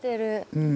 うん。